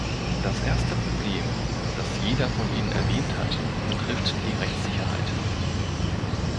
Das erste Problem, das jeder von Ihnen erwähnt hat, betrifft die Rechtssicherheit.